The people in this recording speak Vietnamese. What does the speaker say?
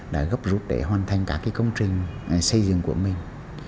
đã gấp rút để hoàn thành các công trình xây dựng của mình